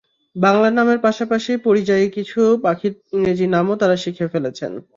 বাংলা নামের পাশাপাশি পরিযায়ী কিছু পাখির ইংরেজি নামও তাঁরা শিখে ফেলেছেন।